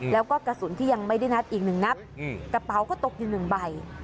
แล้วก็กระสุนที่ยังไม่ได้นัดอีกหนึ่งนัดกระเป๋าก็ตกอยู่หนึ่งใบ